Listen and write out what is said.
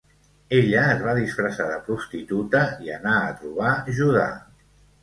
Ella es va disfressar de prostituta i anà a trobar Judà.